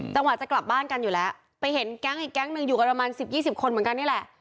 จะกลับบ้านกันอยู่แล้วไปเห็นแก๊งอีกแก๊งหนึ่งอยู่กันประมาณสิบยี่สิบคนเหมือนกันนี่แหละ